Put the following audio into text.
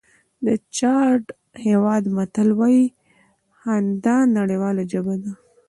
د چاډ هېواد متل وایي خندا نړیواله ژبه ده.